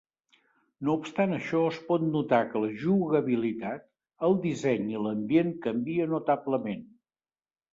No obstant això es pot notar que la jugabilitat, el disseny i l'ambient canvia notablement.